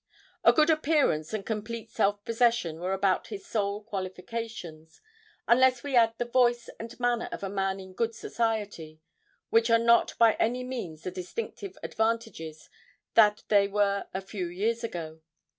A good appearance and complete self possession were about his sole qualifications, unless we add the voice and manner of a man in good society, which are not by any means the distinctive advantages that they were a few years ago.